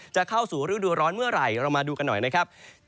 จะเข้าสู่ฤดูร้อนเมื่อไหร่เรามาดูกันหน่อยนะครับ